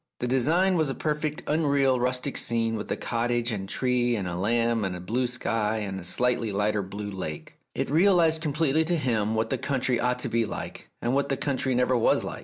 The design was a perfectly unreal rustic scene with a cottage and a tree and a lamb and a blue sky and a slightly lighter blue lake. It realized completely to him what the country ought to be like, and what the country never was like.